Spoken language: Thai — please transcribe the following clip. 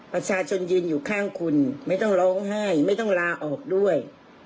ประชาชนยืนอยู่ข้างคุณไม่ต้องร้องไห้ไม่ต้องลาออกด้วย